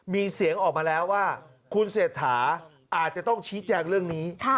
มีเสียงออกมาแล้วว่าคุณเศรษฐาอาจจะต้องชี้แจงเรื่องนี้